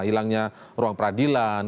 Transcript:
hilangnya ruang peradilan